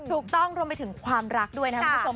ถูกต้องรวมไปถึงความรักด้วยนะครับคุณผู้ชม